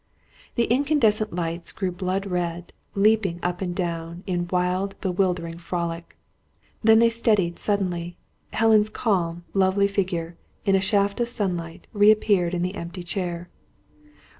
The incandescent lights grew blood red, leaping up and down, in wild, bewildering frolic. Then they steadied suddenly. Helen's calm, lovely figure, in a shaft of sunlight, reappeared in the empty chair.